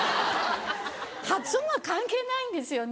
発音は関係ないんですよね。